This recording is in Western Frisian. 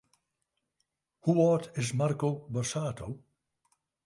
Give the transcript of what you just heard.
Hoe âld is Marco Borsato?